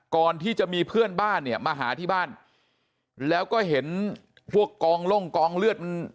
ก่อนที่จะมีเพื่อนบ้านเนี่ยมาหาที่บ้านแล้วก็เห็นพวกกองล่มกองเลือดมัน